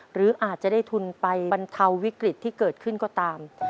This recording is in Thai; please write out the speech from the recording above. หรืออาจจะได้ทุนไปบรรเทาวิกฤตที่เกิดขึ้นก็ตาม